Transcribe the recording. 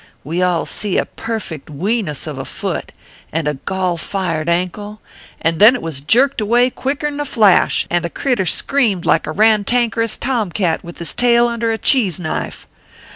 We all see a perfect Wenus of a foot, and a golfired ankle, and then it was jerked away quicker n a flash, and the critter screamed like a rantankerous tom cat with his tail under a cheese knife